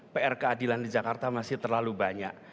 pr keadilan di jakarta masih terlalu banyak